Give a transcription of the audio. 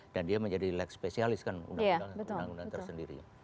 dan dia menjadi leg spesialis kan undang undang tersendiri